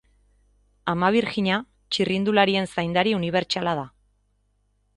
Ama Birjina, txirrindularien zaindari unibertsala da.